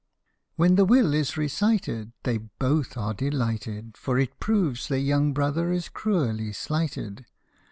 When the will is recited They both are delighted, For it proves their young brother is cruelly slighted.